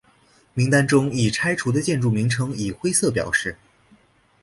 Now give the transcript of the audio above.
名单中已拆除的建筑名称以灰色表示。